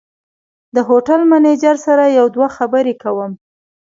د هوټل منیجر سره یو دوه خبرې کوم.